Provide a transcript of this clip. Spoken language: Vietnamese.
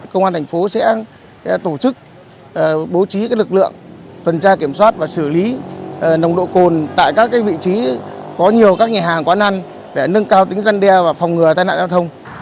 công an thành phố sẽ tổ chức bố trí lực lượng tuần tra kiểm soát và xử lý nồng độ cồn tại các vị trí có nhiều các nhà hàng quán ăn để nâng cao tính răn đe và phòng ngừa tai nạn giao thông